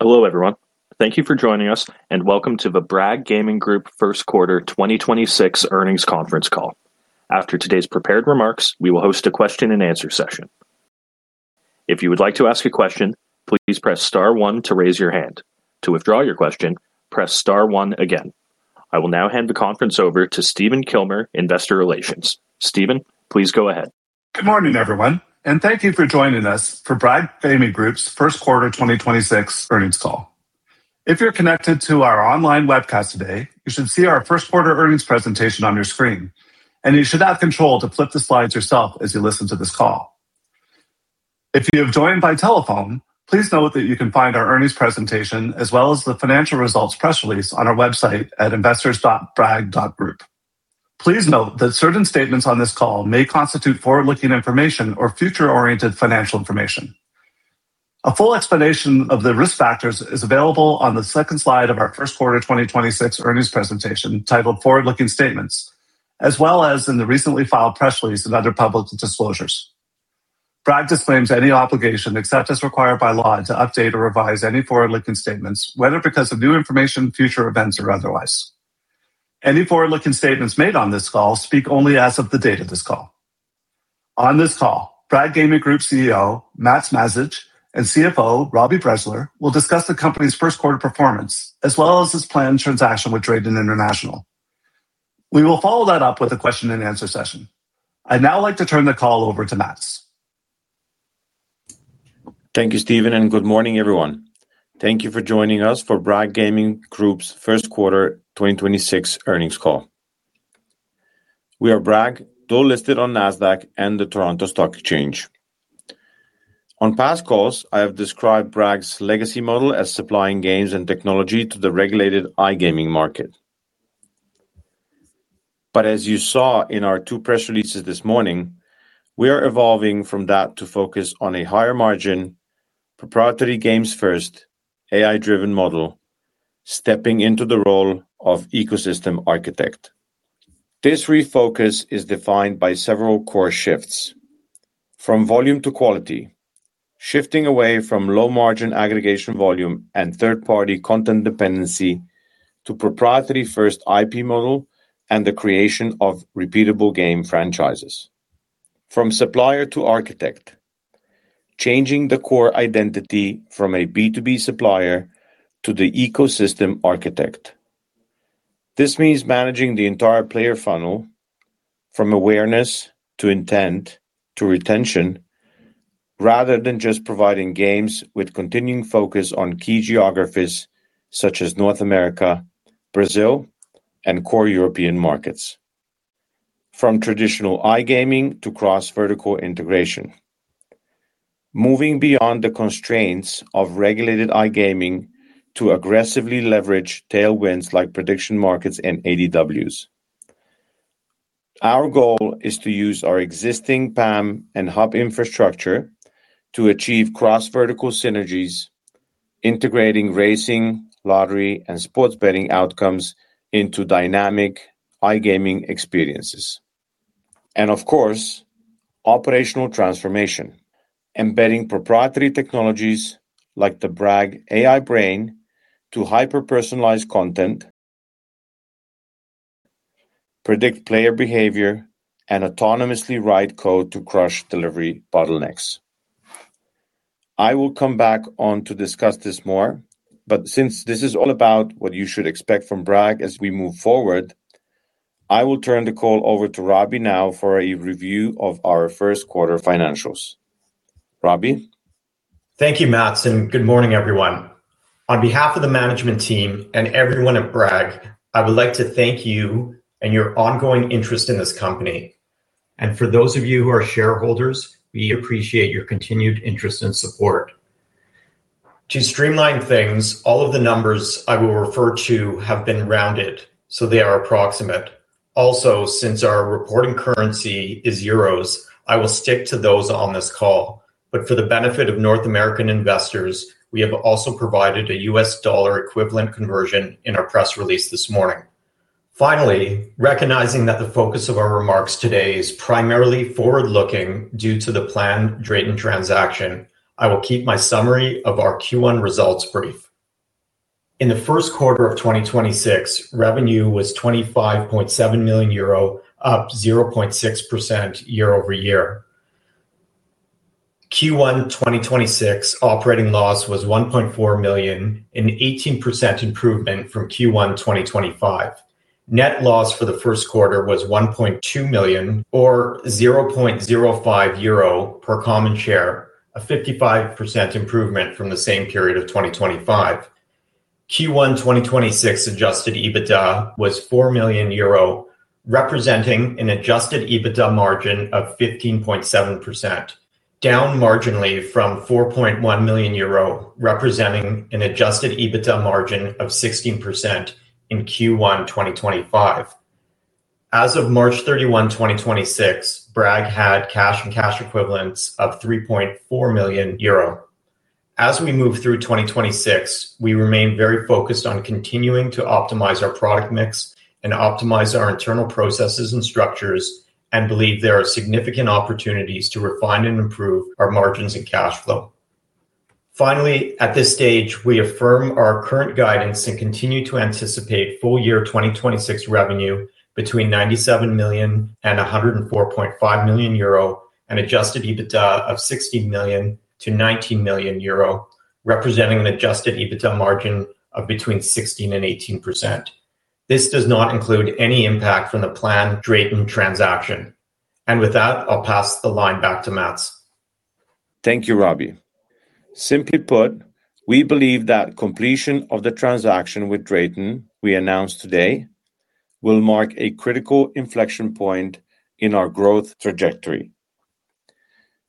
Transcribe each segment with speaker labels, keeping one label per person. Speaker 1: Hello, everyone. Thank you for joining us, and welcome to the Bragg Gaming Group First Quarter 2026 Earnings Conference Call. After today's prepared remarks, we will host a question and answer session. If you would like to ask a question, please press star one to raise your hand. To withdraw your question, press star one again. I will now hand the conference over to Stephen Kilmer, Investor Relations. Stephen, please go ahead.
Speaker 2: Good morning, everyone, and thank you for joining us for Bragg Gaming Group's First Quarter 2026 Earnings Call. If you're connected to our online webcast today, you should see our first quarter earnings presentation on your screen, and you should have control to flip the slides yourself as you listen to this call. If you have joined by telephone, please note that you can find our earnings presentation as well as the financial results press release on our website at investors.bragg.group. Please note that certain statements on this call may constitute forward-looking information or future-oriented financial information. A full explanation of the risk factors is available on the second slide of our first quarter 2026 earnings presentation titled Forward-Looking Statements, as well as in the recently filed press release and other public disclosures. Bragg disclaims any obligation, except as required by law, to update or revise any forward-looking statements, whether because of new information, future events, or otherwise. Any forward-looking statements made on this call speak only as of the date of this call. On this call, Bragg Gaming Group CEO, Matevž Mazij, and CFO, Robbie Bressler, will discuss the company's first quarter performance, as well as its planned transaction with Drayton International. We will follow that up with a question and answer session. I'd now like to turn the call over to Matevž.
Speaker 3: Thank you, Stephen. Good morning, everyone. Thank you for joining us for Bragg Gaming Group's First Quarter 2026 Earnings Call. We are Bragg, dual listed on Nasdaq and the Toronto Stock Exchange. On past calls, I have described Bragg's legacy model as supplying games and technology to the regulated iGaming market. As you saw in our two press releases this morning, we are evolving from that to focus on a higher margin, proprietary games first, AI-driven model, stepping into the role of ecosystem architect. This refocus is defined by several core shifts. From volume to quality, shifting away from low-margin aggregation volume and third-party content dependency to proprietary-first IP model and the creation of repeatable game franchises. From supplier to architect, changing the core identity from a B2B supplier to the ecosystem architect. This means managing the entire player funnel from awareness to intent to retention, rather than just providing games with continuing focus on key geographies such as North America, Brazil, and core European markets. From traditional iGaming to cross-vertical integration, moving beyond the constraints of regulated iGaming to aggressively leverage tailwinds like prediction markets and ADWs. Our goal is to use our existing PAM and hub infrastructure to achieve cross-vertical synergies, integrating racing, lottery, and sports betting outcomes into dynamic iGaming experiences. Of course, operational transformation, embedding proprietary technologies like the Bragg AI Brain to hyper-personalized content, predict player behavior, and autonomously write code to crush delivery bottlenecks. I will come back on to discuss this more, but since this is all about what you should expect from Bragg as we move forward, I will turn the call over to Robbie now for a review of our first quarter financials. Robbie?
Speaker 4: Thank you, Matevž, good morning, everyone. On behalf of the management team and everyone at Bragg, I would like to thank you and your ongoing interest in this company. For those of you who are shareholders, we appreciate your continued interest and support. To streamline things, all of the numbers I will refer to have been rounded, so they are approximate. Since our reporting currency is euros, I will stick to those on this call. For the benefit of North American investors, we have also provided a U.S. dollar equivalent conversion in our press release this morning. Finally, recognizing that the focus of our remarks today is primarily forward-looking due to the planned Drayton transaction, I will keep my summary of our Q1 results brief. In the first quarter of 2026, revenue was 25.7 million euro, up 0.6% year-over-year. Q1 2026 operating loss was 1.4 million, an 18% improvement from Q1 2025. Net loss for the first quarter was 1.2 million or 0.05 euro per common share, a 55% improvement from the same period of 2025. Q1 2026 adjusted EBITDA was 4 million euro, representing an adjusted EBITDA margin of 15.7%, down marginally from EUR 4.1 million, representing an adjusted EBITDA margin of 16% in Q1 2025. As of March 31, 2026, Bragg had cash and cash equivalents of 3.4 million euro. As we move through 2026, we remain very focused on continuing to optimize our product mix and optimize our internal processes and structures and believe there are significant opportunities to refine and improve our margins and cash flow. At this stage, we affirm our current guidance and continue to anticipate full year 2026 revenue between 97 million and 104.5 million euro and adjusted EBITDA of 16 million-19 million euro, representing an adjusted EBITDA margin of between 16% and 18%. This does not include any impact from the planned Drayton transaction. With that, I'll pass the line back to Matevž.
Speaker 3: Thank you, Robbie. Simply put, we believe that completion of the transaction with Drayton we announced today will mark a critical inflection point in our growth trajectory.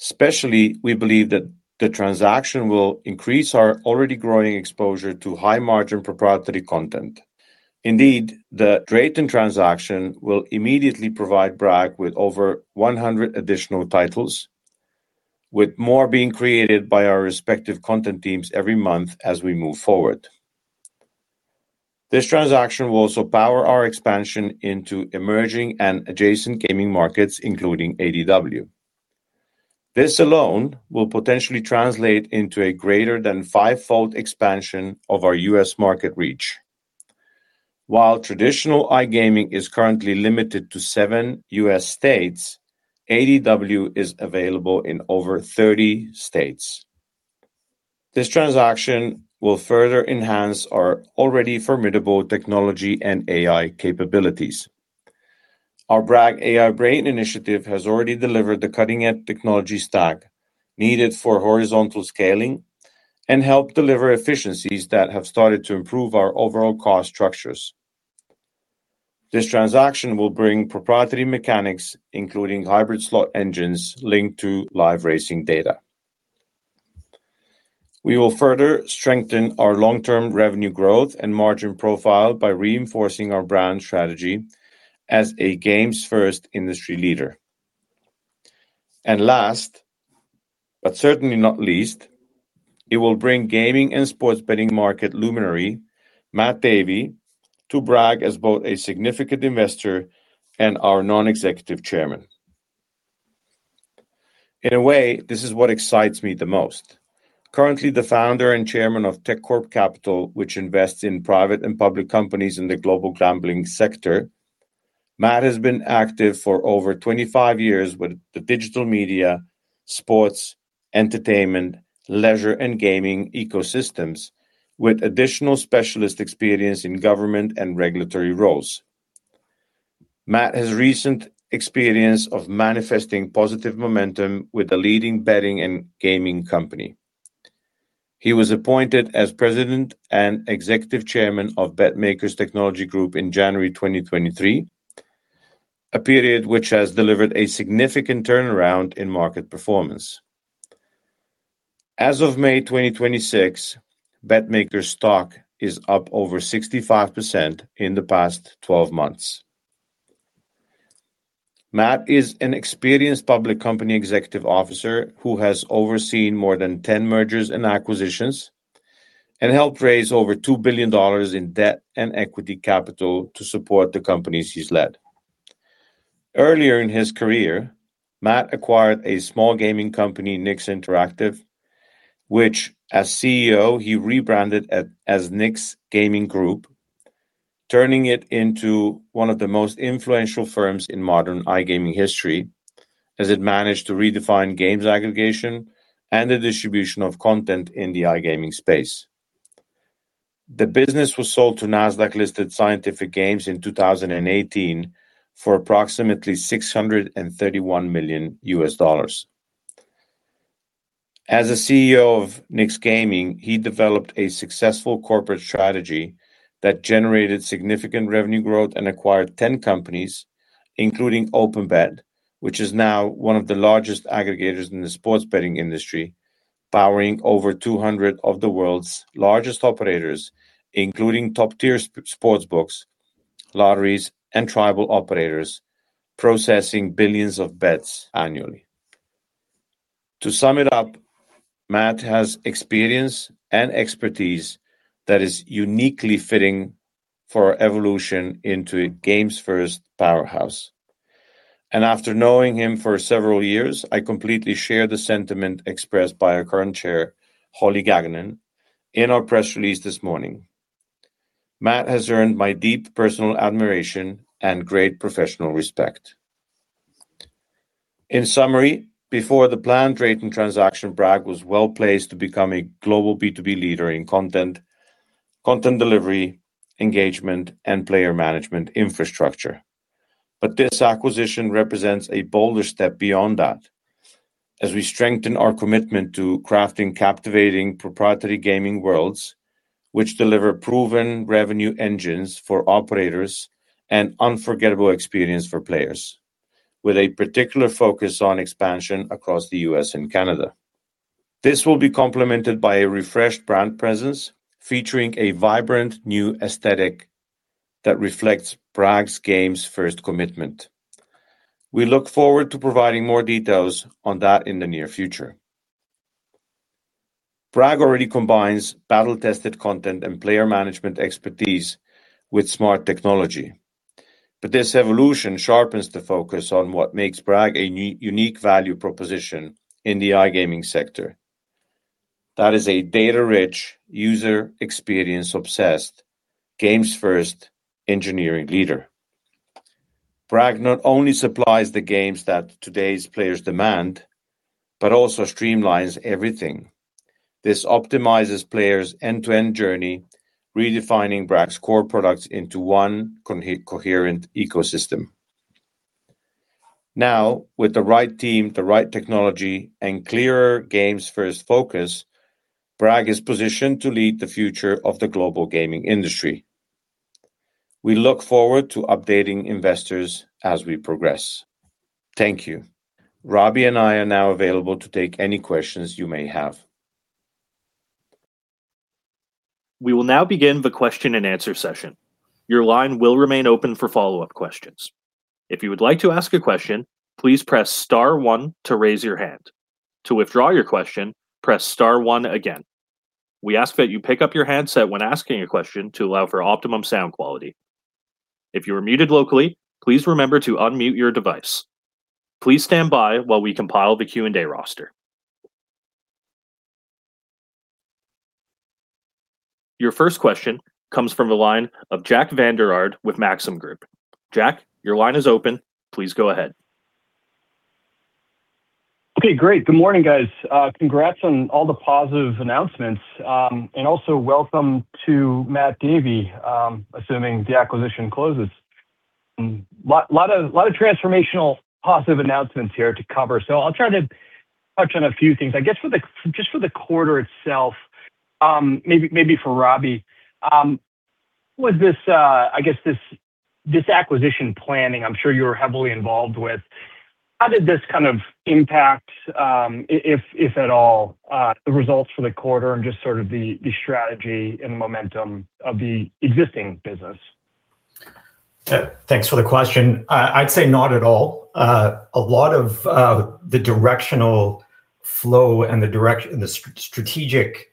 Speaker 3: Especially, we believe that the transaction will increase our already growing exposure to high-margin proprietary content. Indeed, the Drayton transaction will immediately provide Bragg with over 100 additional titles, with more being created by our respective content teams every month as we move forward. This transaction will also power our expansion into emerging and adjacent gaming markets, including ADW. This alone will potentially translate into a greater than five-fold expansion of our U.S. market reach. While traditional iGaming is currently limited to seven U.S. states, ADW is available in over 30 states. This transaction will further enhance our already formidable technology and AI capabilities. Our Bragg AI Brain initiative has already delivered the cutting-edge technology stack needed for horizontal scaling and help deliver efficiencies that have started to improve our overall cost structures. This transaction will bring proprietary mechanics, including hybrid slot engines linked to live racing data. We will further strengthen our long-term revenue growth and margin profile by reinforcing our brand strategy as a games first industry leader. Last, but certainly not least, it will bring gaming and sports betting market luminary, Matt Davey, to Bragg as both a significant investor and our Non-Executive Chairman. In a way, this is what excites me the most. Currently, the founder and chairman of Tekkorp Capital, which invests in private and public companies in the global gambling sector, Matt has been active for over 25 years with the digital media, sports, entertainment, leisure, and gaming ecosystems, with additional specialist experience in government and regulatory roles. Matt has recent experience of manifesting positive momentum with a leading betting and gaming company. He was appointed as president and executive chairman of BetMakers Technology Group in January 2023, a period which has delivered a significant turnaround in market performance. As of May 2026, BetMakers' stock is up over 65% in the past 12 months. Matt is an experienced public company executive officer who has overseen more than 10 mergers and acquisitions and helped raise over $2 billion in debt and equity capital to support the companies he's led. Earlier in his career, Matt acquired a small gaming company, NYX Interactive, which as CEO, he rebranded as NYX Gaming Group, turning it into one of the most influential firms in modern iGaming history, as it managed to redefine games aggregation and the distribution of content in the iGaming space. The business was sold to Nasdaq-listed Scientific Games in 2018 for approximately $631 million. As a CEO of NYX Gaming, he developed a successful corporate strategy that generated significant revenue growth and acquired 10 companies, including OpenBet, which is now one of the largest aggregators in the sports betting industry, powering over 200 of the world's largest operators, including top-tier sports books, lotteries, and tribal operators, processing billions of bets annually. To sum it up, Matt has experience and expertise that is uniquely fitting for our evolution into a games first powerhouse. After knowing him for several years, I completely share the sentiment expressed by our current chair, Holly Gagnon, in our press release this morning. Matt has earned my deep personal admiration and great professional respect. In summary, before the planned Drayton transaction, Bragg was well-placed to become a global B2B leader in content delivery, engagement, and player management infrastructure. This acquisition represents a bolder step beyond that as we strengthen our commitment to crafting captivating proprietary gaming worlds which deliver proven revenue engines for operators and unforgettable experience for players, with a particular focus on expansion across the U.S. and Canada. This will be complemented by a refreshed brand presence featuring a vibrant new aesthetic that reflects Bragg's games first commitment. We look forward to providing more details on that in the near future. Bragg already combines battle-tested content and player management expertise with smart technology. This evolution sharpens the focus on what makes Bragg a unique value proposition in the iGaming sector. That is a data-rich, user experience-obsessed, games first engineering leader. Bragg not only supplies the games that today's players demand, but also streamlines everything. This optimizes players' end-to-end journey, redefining Bragg's core products into one coherent ecosystem. With the right team, the right technology, and clearer games first focus, Bragg is positioned to lead the future of the global gaming industry. We look forward to updating investors as we progress. Thank you. Robbie and I are now available to take any questions you may have.
Speaker 1: We will now begin the question-and-answer session. Your first question comes from the line of Jack Vander Aarde with Maxim Group. Jack, your line is open. Please go ahead.
Speaker 5: Okay, great. Good morning, guys. Congrats on all the positive announcements. Also welcome to Matt Davey, assuming the acquisition closes. Lot of transformational positive announcements here to cover, so I'll try to touch on a few things. I guess for the, just for the quarter itself, maybe for Robbie. I guess this acquisition planning, I'm sure you were heavily involved with, how did this kind of impact, if at all, the results for the quarter and just sort of the strategy and the momentum of the existing business?
Speaker 4: Thanks for the question. I'd say not at all. A lot of the directional flow and the direction, the strategic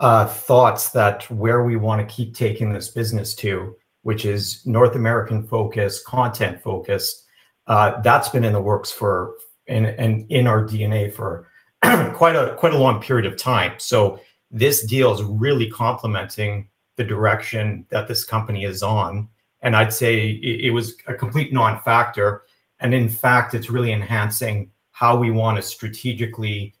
Speaker 4: thoughts that where we wanna keep taking this business to, which is North American-focused, content-focused, that's been in the works for and in our DNA for quite a, quite a long period of time. This deal is really complementing the direction that this company is on, and I'd say it was a complete non-factor. In fact, it's really enhancing how we wanna strategically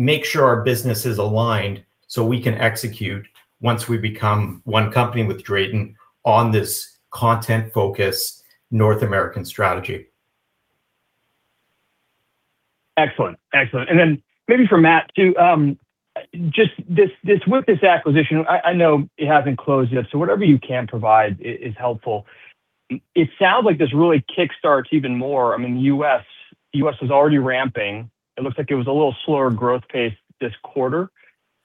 Speaker 4: make sure our business is aligned so we can execute once we become one company with Drayton on this content-focused North American strategy.
Speaker 5: Excellent. Excellent. Then maybe for Matevž too. Just this, with this acquisition, I know it hasn't closed yet, so whatever you can provide is helpful. It sounds like this really kickstarts even more. I mean, U.S. was already ramping. It looks like it was a little slower growth pace this quarter.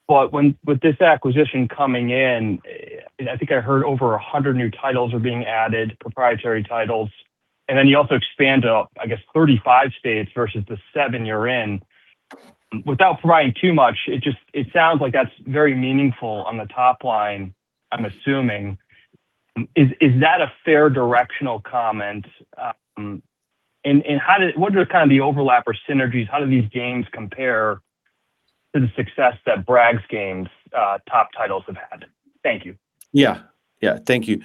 Speaker 5: When with this acquisition coming in, I think I heard over 100 new titles are being added, proprietary titles, then you also expand to, I guess, 35 states versus the seven you're in. Without providing too much, it just, it sounds like that's very meaningful on the top line, I'm assuming. Is that a fair directional comment? What are kind of the overlap or synergies? How do these games compare to the success that Bragg's games, top titles have had? Thank you.
Speaker 3: Thank you.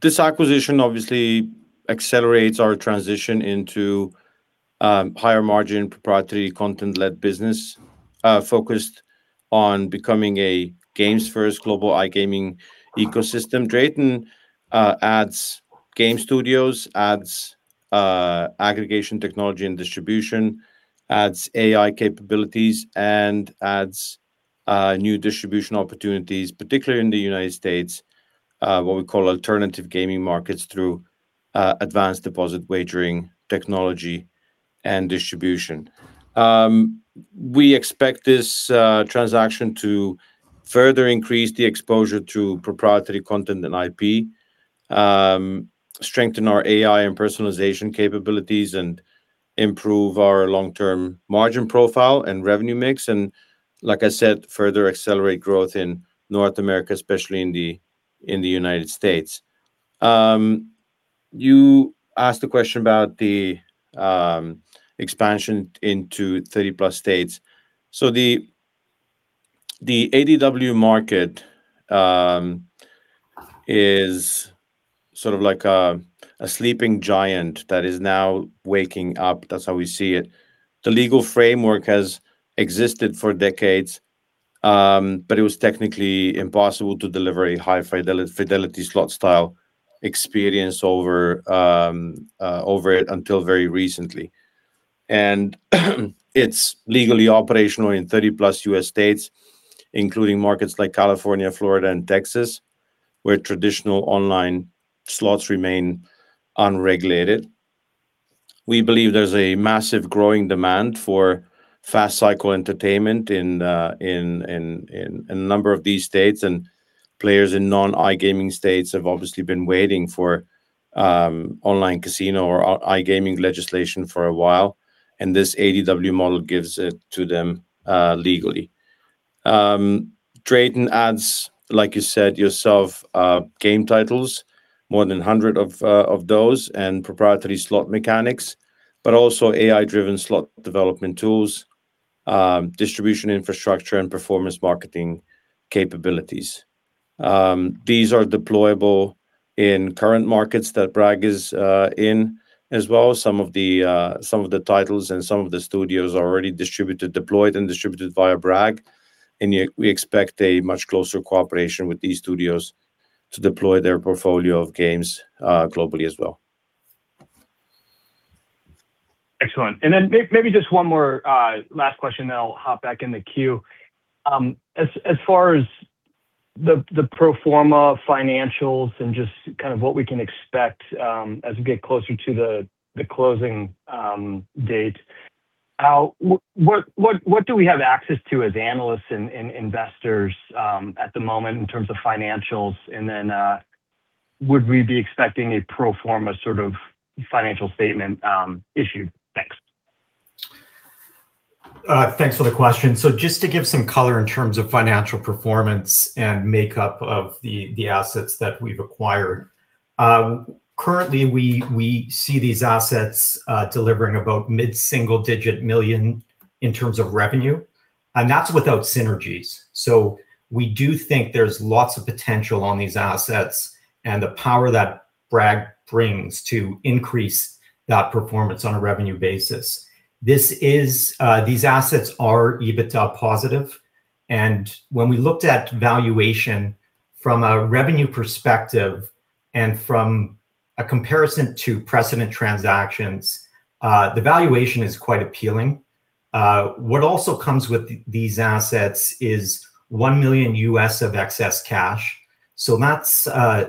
Speaker 3: This acquisition obviously accelerates our transition into higher margin, proprietary, content-led business, focused on becoming a games first global iGaming ecosystem. Drayton adds game studios, adds aggregation technology and distribution, adds AI capabilities, and adds new distribution opportunities, particularly in the United States, what we call alternative gaming markets through advance deposit wagering technology and distribution. We expect this transaction to further increase the exposure to proprietary content and IP, strengthen our AI and personalization capabilities, and improve our long-term margin profile and revenue mix, and like I said, further accelerate growth in North America, especially in the United States. You asked a question about the expansion into 30+ states. The ADW market is sort of like a sleeping giant that is now waking up. That's how we see it. The legal framework has existed for decades, but it was technically impossible to deliver a high-fidelity slot style experience over it until very recently. It's legally operational in 30+ U.S. states, including markets like California, Florida, and Texas, where traditional online slots remain unregulated. We believe there's a massive growing demand for fast cycle entertainment in a number of these states, and players in non-iGaming states have obviously been waiting for online casino or iGaming legislation for a while, and this ADW model gives it to them legally. Drayton adds, like you said yourself, game titles, more than 100 of those, and proprietary slot mechanics, but also AI-driven slot development tools, distribution infrastructure, and performance marketing capabilities. These are deployable in current markets that Bragg is in. As well, some of the, some of the titles and some of the studios are already distributed, deployed and distributed via Bragg, and we expect a much closer cooperation with these studios to deploy their portfolio of games, globally as well.
Speaker 5: Excellent. Maybe just one more last question, then I'll hop back in the queue. As far as the pro forma financials and just kind of what we can expect as we get closer to the closing date, what do we have access to as analysts and investors at the moment in terms of financials? Would we be expecting a pro forma sort of financial statement issued? Thanks.
Speaker 4: Thanks for the question. Just to give some color in terms of financial performance and makeup of the assets that we've acquired. Currently, we see these assets delivering about mid-single digit million in terms of revenue, and that's without synergies. We do think there's lots of potential on these assets, and the power that Bragg brings to increase that performance on a revenue basis. These assets are EBITDA positive. When we looked at valuation from a revenue perspective and from a comparison to precedent transactions, the valuation is quite appealing. What also comes with these assets is $1 million of excess cash. That's,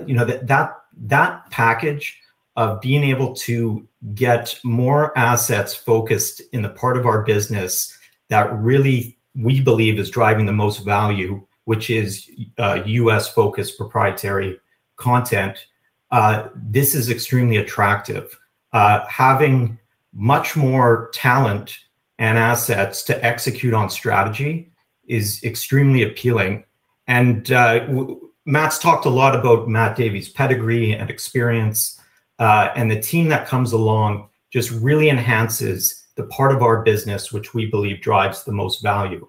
Speaker 4: you know, that, that package of being able to get more assets focused in the part of our business that really we believe is driving the most value, which is U.S.-focused proprietary content, this is extremely attractive. Having much more talent and assets to execute on strategy is extremely appealing. Matevž's talked a lot about Matt Davey's pedigree and experience, and the team that comes along just really enhances the part of our business which we believe drives the most value.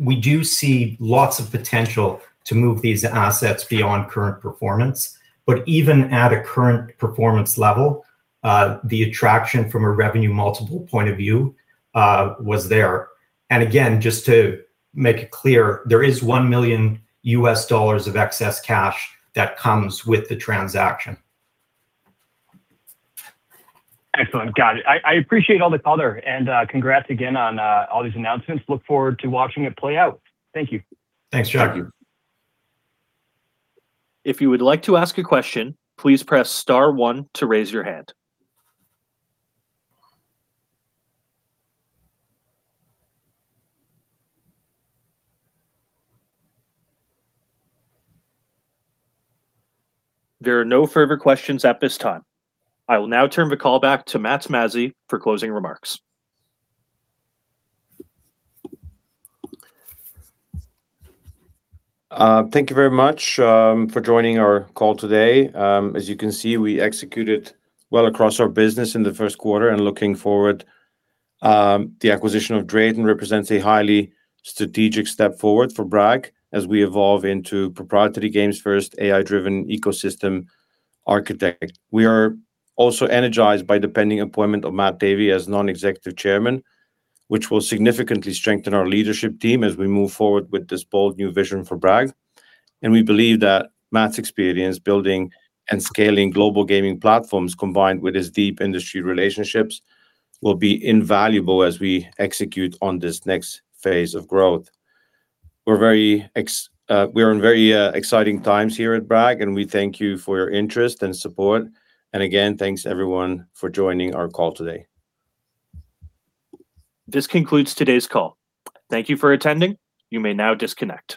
Speaker 4: We do see lots of potential to move these assets beyond current performance. Even at a current performance level, the attraction from a revenue multiple point of view, was there. Again, just to make it clear, there is $1 million of excess cash that comes with the transaction.
Speaker 5: Excellent. Got it. I appreciate all the color, and congrats again on all these announcements. Look forward to watching it play out. Thank you.
Speaker 4: Thanks, Jack.
Speaker 3: Thank you.
Speaker 1: If you would like to ask a question, please press star one to raise your hand. There are no further questions at this time. I will now turn the call back to Matevž Mazij for closing remarks.
Speaker 3: Thank you very much for joining our call today. As you can see, we executed well across our business in the first quarter and looking forward. The acquisition of Drayton represents a highly strategic step forward for Bragg as we evolve into proprietary games first, AI-driven ecosystem architect. We are also energized by the pending appointment of Matt Davey as Non-Executive Chairman, which will significantly strengthen our leadership team as we move forward with this bold new vision for Bragg. We believe that Matt's experience building and scaling global gaming platforms, combined with his deep industry relationships, will be invaluable as we execute on this next phase of growth. We're in very exciting times here at Bragg, and we thank you for your interest and support. Again, thanks everyone for joining our call today.
Speaker 1: This concludes today's call. Thank you for attending. You may now disconnect.